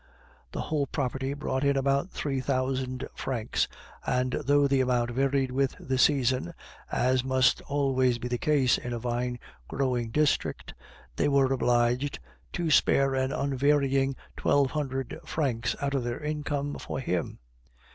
The whole property brought in about three thousand francs; and though the amount varied with the season (as must always be the case in a vine growing district), they were obliged to spare an unvarying twelve hundred francs out of their income for him.